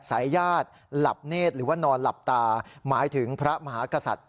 ญาติหลับเนธหรือว่านอนหลับตาหมายถึงพระมหากษัตริย์